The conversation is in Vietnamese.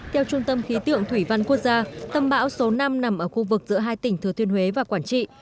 theo trung tâm khí tượng thủy văn quốc gia tâm bão số năm nằm ở khu vực giữa hai tỉnh thừa thiên huế và quản trị